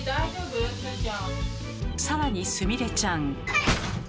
さらにすみれちゃん。